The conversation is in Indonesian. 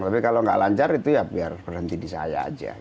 tapi kalau nggak lancar itu ya biar berhenti di saya aja